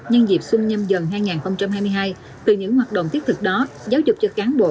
nhân dịp xuân nhâm dần hai nghìn hai mươi hai từ những hoạt động thiết thực đó giáo dục cho cán bộ